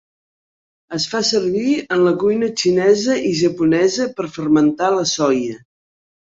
Es fa servir en la cuina xinesa i japonesa per fermentar la soia.